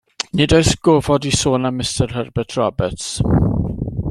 Nid oes gofod i sôn am Mistar Herbert Roberts.